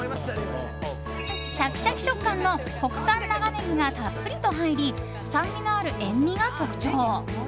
シャキシャキ食感の国産長ネギがたっぷりと入り酸味のある塩みが特徴。